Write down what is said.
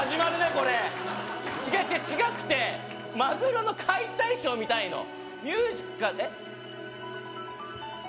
これ違う違う違くてマグロの解体ショー見たいのミュージカルえっ？